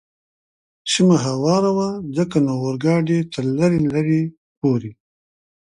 سیمه هواره وه، ځکه نو اورګاډی تر لرې لرې پورې.